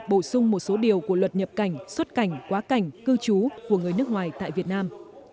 bổ sung một số điều của luật nhập cảnh xuất cảnh quá cảnh cư trú của người nước ngoài tại việt nam